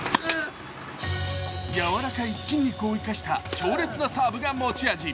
やわらかい筋肉を生かした強烈なサーブが持ち味。